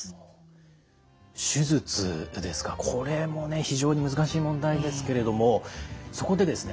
手術ですかこれもね非常に難しい問題ですけれどもそこでですね